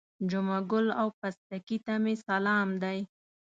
جمعه ګل او پستکي ته مې سلام دی.